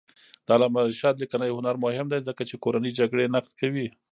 د علامه رشاد لیکنی هنر مهم دی ځکه چې کورنۍ جګړې نقد کوي.